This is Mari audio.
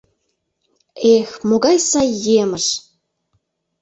— Эх, могай сай емыж!..